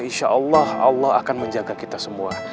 insya allah allah akan menjaga kita semua